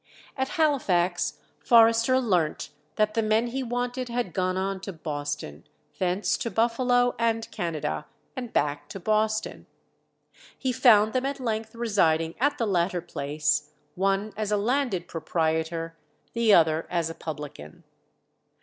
At Halifax Forrester learnt that the men he wanted had gone on to Boston, thence to Buffalo and Canada, and back to Boston. He found them at length residing at the latter place, one as a landed proprietor, the other as a publican.